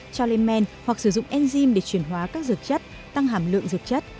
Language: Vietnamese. cho lên men hoặc sử dụng enzym để chuyển hóa các dược chất tăng hàm lượng dược chất